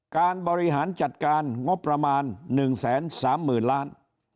การบริหารจัดการงบประมาณ๑๓๐๐๐ล้าน